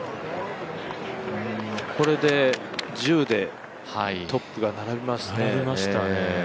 これで１０で、トップが並びますね。